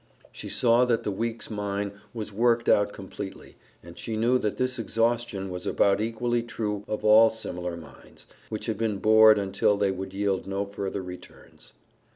She saw that the Weeks mine was worked out completely, and she knew that this exhaustion was about equally true of all similar mines, which had been bored until they would yield no further returns.